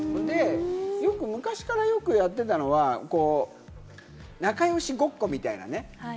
よく昔からやってたのは仲良しごっこみたいなね。